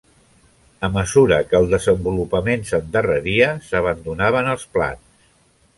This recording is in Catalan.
A mesura que el desenvolupament s'endarreria, s'abandonaven els plans.